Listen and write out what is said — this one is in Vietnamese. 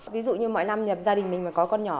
ví dụ như mỗi năm gia đình mình có con nhỏ